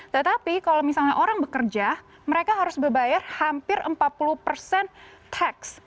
tetapi kalau misalnya orang bekerja mereka harus berbayar hampir empat puluh persen tax